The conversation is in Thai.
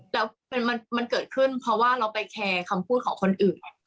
แล้วมันเกิดขึ้นเพราะว่าเราไปแคร์คำพูดของคนอื่น